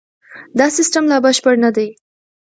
دا سیستم لا بشپړ نه دی.